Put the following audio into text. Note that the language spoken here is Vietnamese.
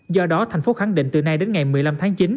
do đó thành phố khẳng định từ nay đến ngày một mươi năm tháng chín